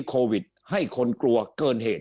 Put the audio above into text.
โควิดให้คนกลัวเกินเหตุ